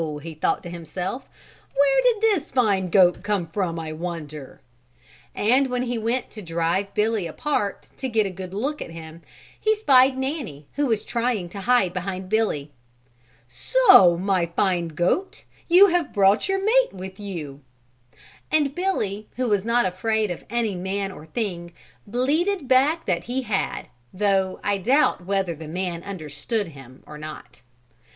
he thought to himself, "where did this fine goat come from, I wonder," and when he went to drive Billy apart to get a good look at him he spied Nanny who was trying to hide behind Billy. "So my fine goat, you have brought your mate with you?" And Billy who was not afraid of any man or thing, bleated back that he had, though I doubt whether the man understood him or not.